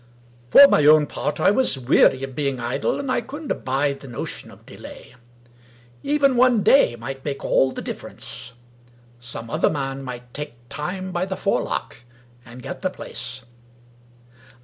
For my own part, I was weary of being idle, and I couldn't abide the notion of delay. Even one day might make all the difference. Some other man might take time by the forelock, and get the place.